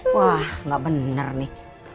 wah gak bener nih